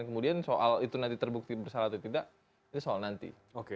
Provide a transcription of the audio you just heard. kemudian soal itu nanti terbukti bersalah atau tidak ini soal nanti